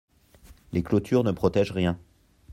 Les clôtures ne protègent rien.